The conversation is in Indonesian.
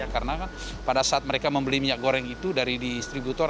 karena pada saat mereka membeli minyak goreng itu dari distributor